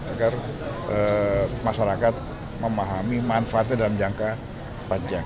agar masyarakat memahami manfaatnya dalam jangka panjang